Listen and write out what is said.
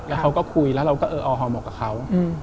แล้วเขาก็คุยแล้วเราก็เอออฮอเหมาะกับเขา